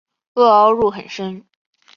萼凹入很深。